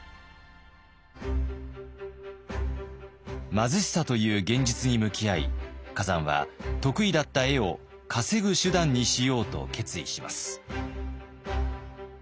貧しさという現実に向き合い崋山は得意だった絵を稼ぐ手段にしようと決意します。